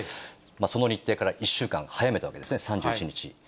その日程から１週間早めたわけですね、３１日に。